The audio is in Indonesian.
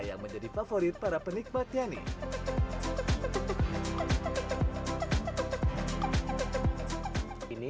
yang menjadi favorit para penikmatnya nih